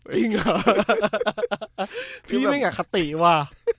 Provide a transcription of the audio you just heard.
จริงเหรอพี่ไม่อยากคติว่ะ